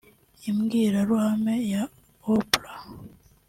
imbwiraruhame ya Oprah